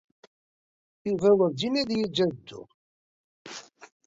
Yuba werjin ad iyi-yejj ad dduɣ.